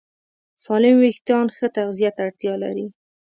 سالم وېښتيان ښه تغذیه ته اړتیا لري.